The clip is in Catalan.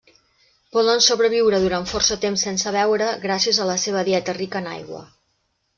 Poden sobreviure durant força temps sense beure gràcies a la seva dieta rica en aigua.